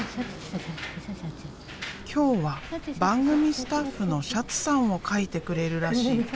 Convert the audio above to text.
今日は番組スタッフのシャツさんを描いてくれるらしい。